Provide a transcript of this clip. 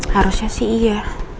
harusnya sih iya